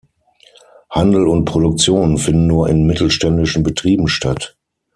Handel und Produktion finden nur in mittelständischen Betrieben statt.